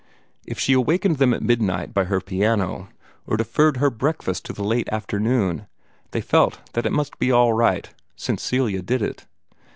If she awakened them at midnight by her piano, or deferred her breakfast to the late afternoon, they felt that it must be all right, since Celia did it.